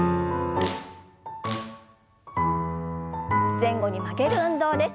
前後に曲げる運動です。